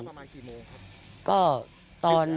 ช่วงเวลาประมาณกี่โมงครับ